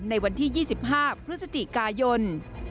ในวันที่๒๕พฤศจิกายน